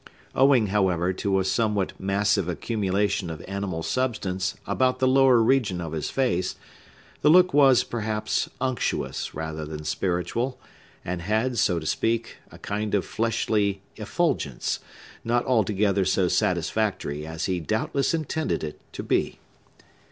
Owing, however, to a somewhat massive accumulation of animal substance about the lower region of his face, the look was, perhaps, unctuous rather than spiritual, and had, so to speak, a kind of fleshly effulgence, not altogether so satisfactory as he doubtless intended it to be.